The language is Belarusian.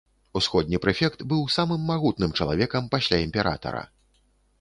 Усходні прэфект быў самым магутным чалавекам пасля імператара.